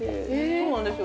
そうなんですよ。